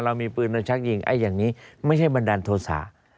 เรามีปืนเราชักยิงอย่างนี้ไม่ใช่บันดาลโทษะ